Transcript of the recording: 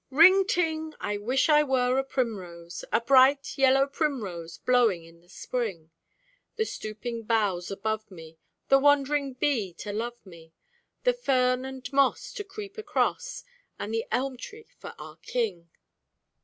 RING TING! I wish I were a Primrose, A bright yellow Primrose blowing in the Spring! The stooping boughs above me, The wandering bee to love me, The fern and moss to creep across, And the Elm tree for our king!